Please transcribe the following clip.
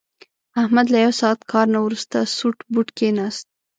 احمد له یو ساعت کار نه ورسته سوټ بوټ کېناست.